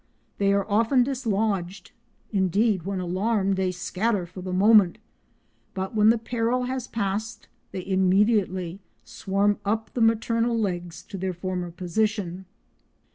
They are often dislodged—indeed, when alarmed, they scatter for the moment, but when the peril has passed they immediately swarm up the maternal legs to their former position.